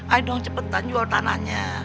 ayo dong cepetan jual tanahnya